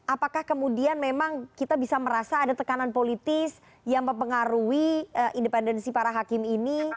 apakah kemudian memang kita bisa merasa ada tekanan politis yang mempengaruhi independensi para hakim ini